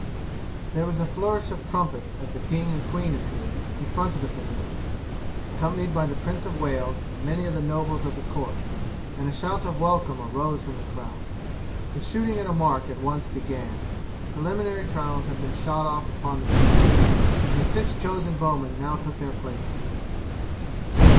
There was a flourish of trumpets as the king and queen appeared in front of the pavilion, accompanied by the Prince of Wales and many of the nobles of the court, and a shout of welcome arose from the crowd. The shooting at a mark at once began. The preliminary trials had been shot off upon the preceding day, and the six chosen bowmen now took their places.